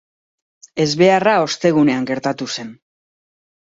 Ezbeharra ostegunean gertatu zen.